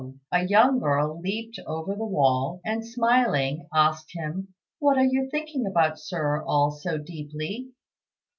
a young girl leaped over the wall, and, smiling, asked him, "What are you thinking about, Sir, all so deeply?"